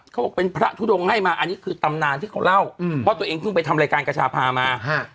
เขาบอกเป็นพระทุดงให้มาอันนี้คือตำนานที่เขาเล่าเพราะตัวเองเพิ่งไปทำรายการกระชาพามา